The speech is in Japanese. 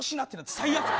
最悪。